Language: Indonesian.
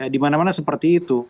di mana mana seperti itu